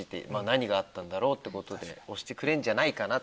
何があったんだろう？って押してくれるんじゃないかな？